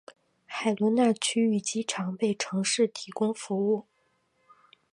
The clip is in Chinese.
海伦娜区域机场为城市提供服务。